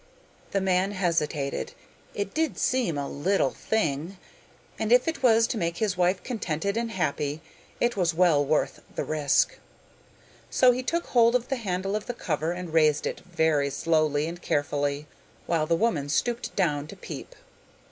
The man hesitated: it did seem a 'little thing,' and if it was to make his wife contented and happy it was well worth the risk. So he took hold of the handle of the cover and raised it very slowly and carefully, while the woman stooped down to peep.